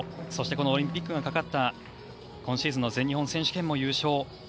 そしてオリンピックがかかった今シーズンの全日本選手権も優勝。